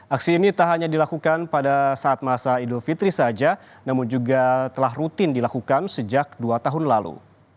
aksi ini tak hanya dilakukan pada saat masa idul fitri saja namun juga telah rutin dilakukan sejak dua tahun lalu